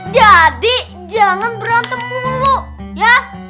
jadi jangan berantem mulu ya